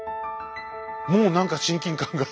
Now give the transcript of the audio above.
もう何か親近感が。